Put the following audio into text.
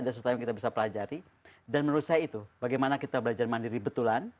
ada sesuatu yang kita bisa pelajari dan menurut saya itu bagaimana kita belajar mandiri betulan